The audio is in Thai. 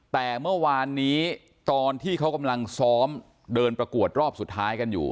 แต่เมื่อวานนี้ตอนที่เขากำลังซ้อมเดินประกวดรอบสุดท้ายกันอยู่